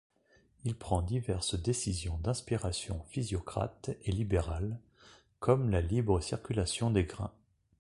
Il prend diverses décisions d'inspiration physiocrate et libérale, comme la libre circulation des grains.